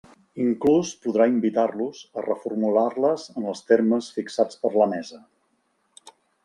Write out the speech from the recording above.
Inclús podrà invitar-los a reformular-les en els termes fixats per la Mesa.